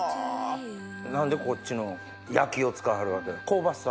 何でこっちの焼きを使いはるわけ？香ばしさ？